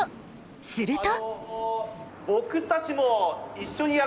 すると。